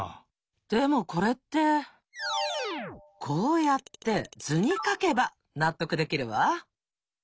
でもこれってこうやって図に描けば納得できるわ。